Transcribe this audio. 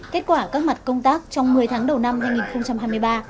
kết quả các mặt công tác trong một mươi tháng đầu năm hai nghìn hai mươi ba